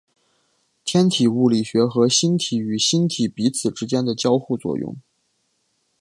天体物理学和星体与星体彼此之间的交互作用。